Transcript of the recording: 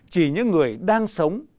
chỉ những người đang sống